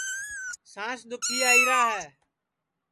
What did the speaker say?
سانٚس دُؔکھی آئیرا ہے